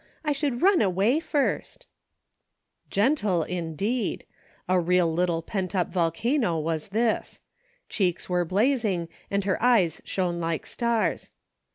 I should run away first !" Gentle, indeed ! A real little pent up volcano was this. Cheeks were blazing, and her eyes shone like stars.